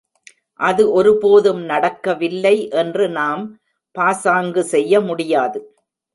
அது ஒருபோதும் நடக்கவில்லை என்று நாம் பாசாங்கு செய்ய முடியாது.